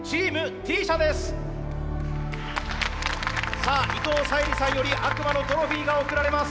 さあ伊藤沙莉さんより悪魔のトロフィーが贈られます。